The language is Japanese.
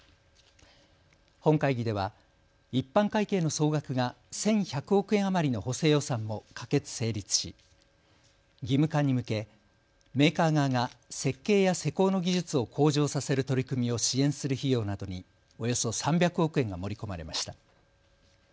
本会議では一般会計の総額が１１００億円余りの補正予算も可決・成立し義務化に向けメーカー側が設計や施工の技術を向上させる取り組みを支援する費用などにおよそ３００億円が盛り込まれました。